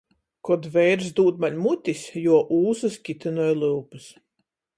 Kod veirs dūd maņ mutis, juo ūsys kitynoj lyupys.